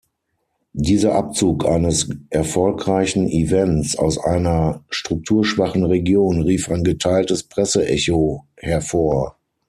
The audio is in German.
Dieser Abzug eines erfolgreichen Events aus einer strukturschwachen Region rief ein geteiltes Presseecho hervor.